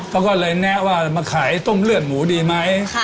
เขาก็เลยแนะว่ามาขายต้มเลือดหมูดีไหม